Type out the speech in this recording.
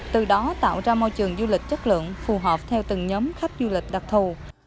từ đó tạo ra môi trường du lịch chất lượng phù hợp theo từng nhóm khách du lịch đặc thù